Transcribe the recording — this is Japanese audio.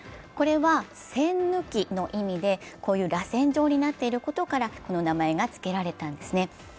これは栓抜きの意味で、らせん状になっていることからこの名前が付けられたんですね。